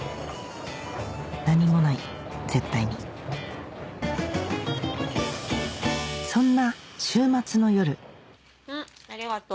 何もない絶対にそんな週末の夜んっありがとう。